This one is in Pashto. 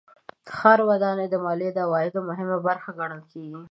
ښاري ودانۍ د مالیې د عوایدو مهمه برخه ګڼل کېږي.